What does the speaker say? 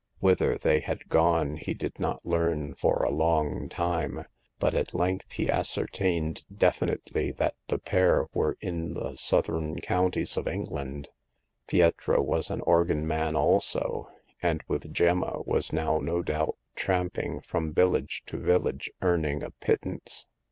Whither they had gone he did not learn for a long time ; but at length he ascertained definitely that the pair were in the southern counties of England. Pietro was an organ man also; and with Gemma was now no doubt tramping from village to village, earning a pittance.